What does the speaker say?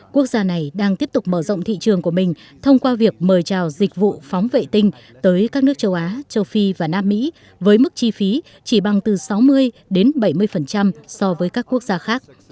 quốc gia này đang tiếp tục mở rộng thị trường của mình thông qua việc mời trào dịch vụ phóng vệ tinh tới các nước châu á châu phi và nam mỹ với mức chi phí chỉ bằng từ sáu mươi đến bảy mươi so với các quốc gia khác